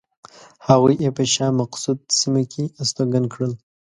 هغوی یې په شاه مقصود سیمه کې استوګن کړل.